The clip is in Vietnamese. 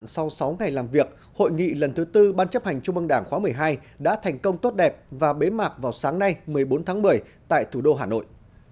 sau sáu ngày làm việc hội nghị lần thứ tư ban chấp hành trung mương đảng khóa một mươi hai đã thành công tốt đẹp và bế mạc vào sáng nay một mươi bốn tháng một mươi tại thủ đô hà nội